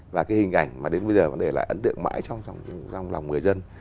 và cái hình ảnh mà đến bây giờ vẫn để lại ấn tượng mãi trong lòng người dân